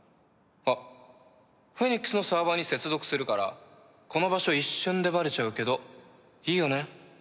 あっフェニックスのサーバーに接続するからこの場所一瞬でバレちゃうけどいいよね？